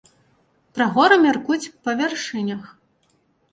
Пра горы мяркуюць па вяршынях.